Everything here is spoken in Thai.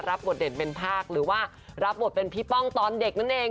รับบทเด่นเป็นภาคหรือว่ารับบทเป็นพี่ป้องตอนเด็กนั่นเอง